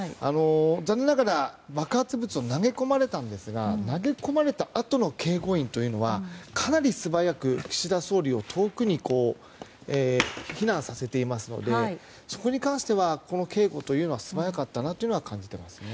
残念ながら爆発物を投げ込まれたんですが投げ込まれたあとの警護員はかなり素早く岸田総理を遠くに避難させていますのでそこに関しては、この警護は素早かったなと感じましたね。